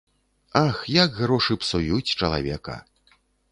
Ах, як грошы псуюць чалавека!